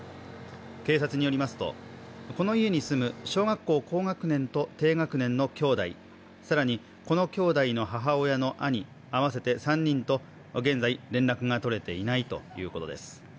警察によりますと、この家に住む小学校高学年と低学年のきょうだい、更にこのきょうだいの母親の兄合わせて３人と現在、連絡が取れていないということです。